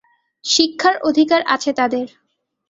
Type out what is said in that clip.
শিক্ষার অধিকার আছে তাদের।